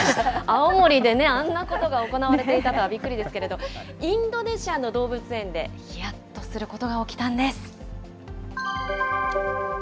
青森であんなことが行われていたとはびっくりですけれど、インドネシアの動物園で、ひやっとすることが起きたんです。